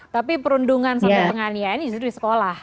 tapi perundungan sama penganiayaan itu di sekolah